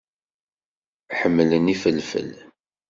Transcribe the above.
Ḥemmlen ifelfel.